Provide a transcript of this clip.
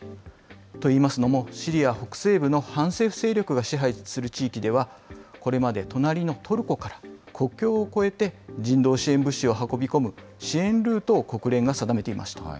といいますのも、シリア北西部の反政府勢力が支配する地域では、これまで隣のトルコから国境を越えて人道支援物資を運び込む支援ルートを国連が定めていました。